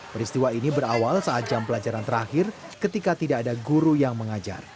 peristiwa ini berawal saat jam pelajaran terakhir ketika tidak ada guru yang mengajar